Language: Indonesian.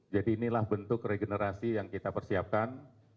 jadi inilah bentuk regenerasi yang kita persiapkan